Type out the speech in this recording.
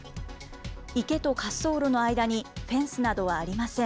池と滑走路の間にフェンスなどはありません。